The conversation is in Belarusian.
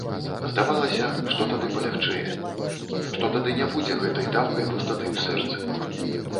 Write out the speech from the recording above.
Здавалася, што тады палягчэе, што тады не будзе гэтай даўкай пустаты ў сэрцы.